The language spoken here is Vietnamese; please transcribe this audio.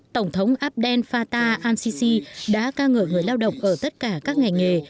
tổng thống abdel fatah al sisi đã ca ngợi người lao động ở tất cả các ngành nghề